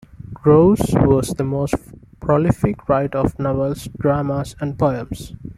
Grosse was a most prolific writer of novels, dramas and poems.